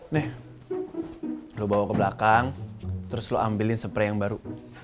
nih lu bawa ke belakang terus lu ambilin spray yang baru